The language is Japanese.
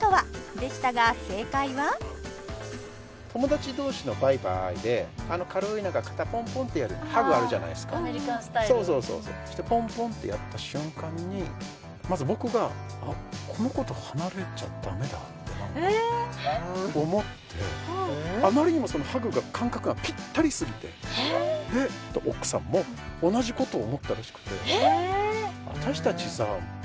でしたが正解は友達同士のバイバーイで軽い肩ポンポンってやるハグあるじゃないですかアメリカンスタイルポンポンってやった瞬間にまず僕があっって思ってあまりにもそのハグが感覚がぴったりすぎてえっで奥さんも同じことを思ったらしくてえっ！？